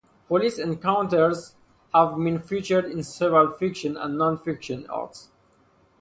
Police encounters have been featured in several fiction and non-fiction arts.